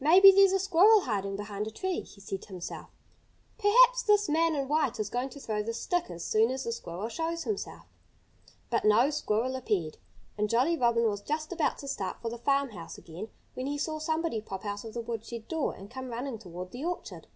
"Maybe there's a squirrel hiding behind a tree," he said to himself. "Perhaps this man in white is going to throw the stick as soon as the squirrel shows himself." But no squirrel appeared. And Jolly Robin was just about to start for the farmhouse again when he saw somebody pop out of the woodshed door and come running toward the orchard.